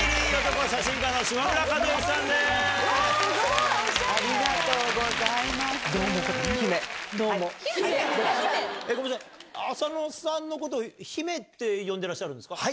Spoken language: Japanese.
ごめんなさい、浅野さんのことを姫って呼んでらっしゃるんですか。